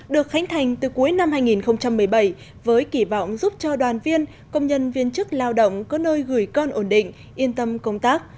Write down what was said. được khánh thành từ cuối năm hai nghìn một mươi bảy với kỳ vọng giúp cho đoàn viên công nhân viên chức lao động có nơi gửi con ổn định yên tâm công tác